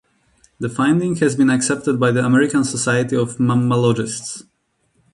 The finding has been accepted by the American Society of Mammalogists.